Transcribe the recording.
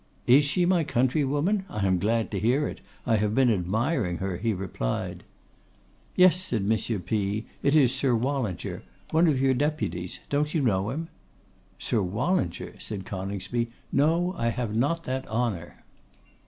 'Is she my countrywoman? I am glad to hear it; I have been admiring her,' he replied. 'Yes,' said M. P s, 'it is Sir Wallinger: one of your deputies; don't you know him?' 'Sir Wallinger!' said Coningsby, 'no, I have not that honour.